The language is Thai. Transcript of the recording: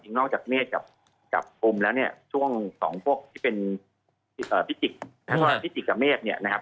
จริงนอกจากเมฆกับกุมแล้วเนี่ยช่วงสองพวกที่เป็นพิจิกกับเมฆเนี่ยนะครับ